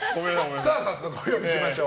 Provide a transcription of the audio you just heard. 早速、お呼びしましょう。